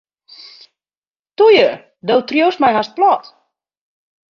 Toe ju, do triuwst my hast plat.